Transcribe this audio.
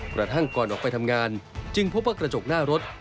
กระทั่งก่อนออกไปทำงานจึงพบว่ากระจกหน้ารถ